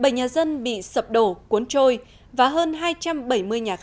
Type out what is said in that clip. bảy nhà dân bị sập đổ cuốn trôi và hơn hai trăm bảy mươi nhà khác